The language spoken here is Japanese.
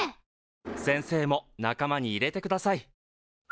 先生も仲間に入れてください。